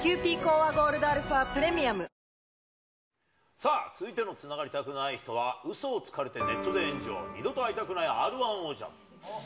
さあ、続いてのつながりたくない人はうそをつかれてネットで炎上、二度と会いたくないＲー１王者。